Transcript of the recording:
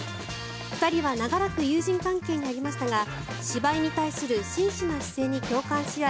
２人は長らく友人関係にありましたが芝居に対する真摯な姿勢に共感し合い